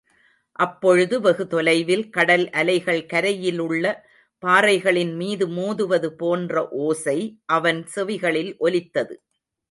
அப்பொழுது வெகு தொலைவில், கடல் அலைகள் கரையிலுள்ள பாறைகளின்மீது மோதுவது போன்ற ஓசை அவன் செவிகளில் ஒலித்தது.